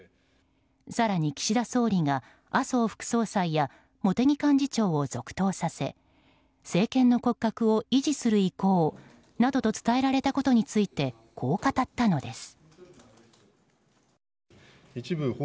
更に岸田総理が麻生副総裁や茂木幹事長を続投させ政権の骨格を維持する意向などと伝えられたことについてこう語ったのです。